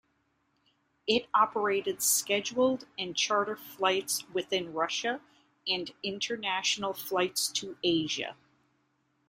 It operated scheduled and charter flights within Russia, and international flights to Asia.